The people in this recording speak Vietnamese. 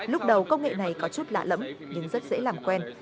lúc đầu công nghệ này có chút lạ lẫm nhưng rất dễ làm quen